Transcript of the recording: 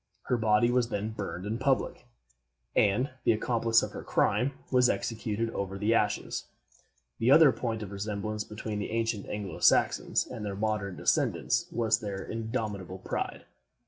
Her body was then burned in public, and the accomplice of her crime was executed over the ashes. The other point of resemblance between the ancient Anglo Saxons and their modern descendants was their indomitable pride.